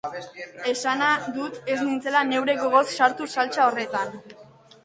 Esana dut ez nintzela neure gogoz sartu saltsa horretan.